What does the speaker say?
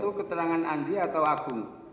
itu keterangan andi atau aku